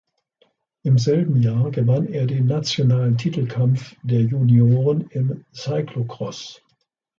Im selben Jahr gewann er den nationalen Titelkampf der Junioren im Cyclocross.